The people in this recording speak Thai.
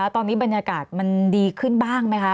ตอนนี้บรรยากาศมันดีขึ้นบ้างไหมคะ